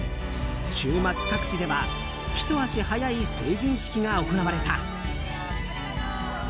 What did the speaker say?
週末、各地ではひと足早い成人式が行われた。